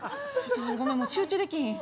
ごめんもう集中できひん。